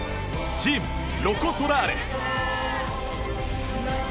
チーム、ロコ・ソラーレ。